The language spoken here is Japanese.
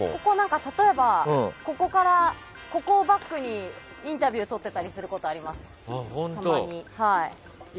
例えば、ここをバックにインタビュー撮ってたりすることあります、たまに。